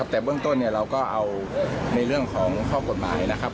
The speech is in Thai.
แต่เบื้องต้นเราก็เอาในเรื่องของข้อกฎหมายนะครับ